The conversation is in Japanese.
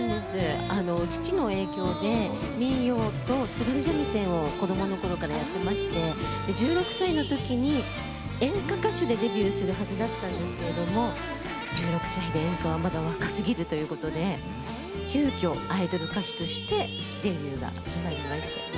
父の影響で民謡と津軽三味線を子どものころからやってまして、１６歳のときに演歌歌手でデビューするはずだったんですけれども１６歳で演歌はまだ若すぎるということで急きょ、アイドル歌手としてデビューが決まりました。